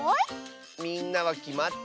みんなはきまった？